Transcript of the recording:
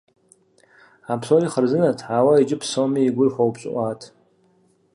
А псори хъарзынэт, ауэ иджы псоми и гур хуэупщӏыӏуащ.